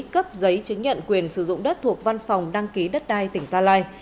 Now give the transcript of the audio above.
cấp giấy chứng nhận quyền sử dụng đất thuộc văn phòng đăng ký đất đai tỉnh gia lai